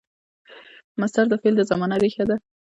مصدر د فعل د زمان ریښه ده.